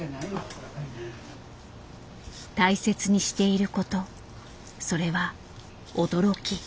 大切にしていることそれは「驚き」。